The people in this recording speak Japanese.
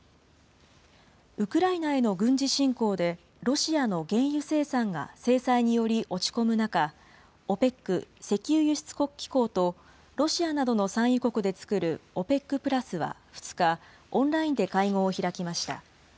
ウクライナへの軍事侵攻で、ロシアの原油生産が制裁により落ち込む中、ＯＰＥＣ・石油輸出国機構とロシアなどの産油国で作るＯＰＥＣプラスは２日、オンラインで会合を開きました。